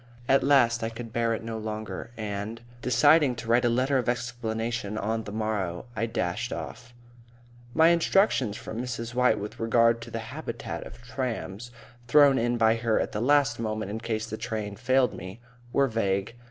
At last I could bear it no longer and, deciding to write a letter of explanation on the morrow, I dashed off. My instructions from Miss White with regard to the habitat of trams (thrown in by her at the last moment in case the train failed me) were vague.